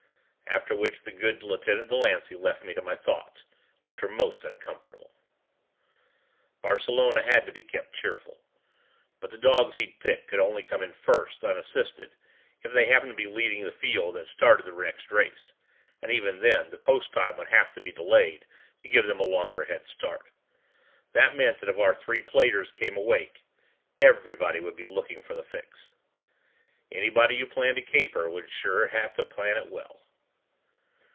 After which the good Lieutenant Delancey left me to my thoughts which were most uncomfortable. Barcelona had to be kept cheerful. But the dogs he'd picked could only come in first unassisted if they happened to be leading the field that started the next race, and even then the post time would have to be delayed to give them a longer head start. That meant that if our three platers came awake, everybody would be looking for the fix. Anybody who planned a caper would sure have to plan it well.